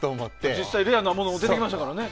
実際レアなものも出てきましたからね。